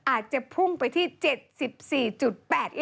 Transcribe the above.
อาจจะพุ่งไปที่๗๔๘ล้านบาทค่ะ